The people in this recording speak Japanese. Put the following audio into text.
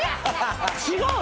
違う。